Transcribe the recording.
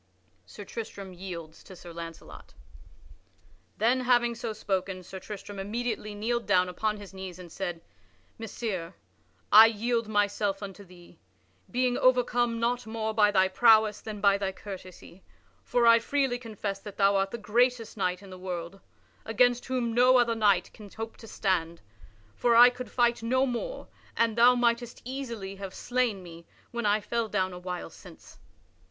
[Sidenote: Sir Tristram yields to Sir Launcelot] Then, having so spoken, Sir Tristram immediately kneeled down upon his knees and said: "Messire, I yield myself unto thee, being overcome not more by thy prowess than by thy courtesy. For I freely confess that thou art the greatest knight in the world, against whom no other knight can hope to stand; for I could fight no more and thou mightest easily have slain me when I fell down a while since."